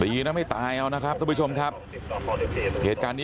แต่งงี้ไม่ตายแล้วนะครับต้องผู้ชมทั้งแผน